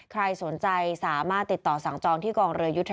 ใครสนใจสามารถติดต่อสั่งจองที่กองเรือยุทธ